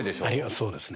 そうですね。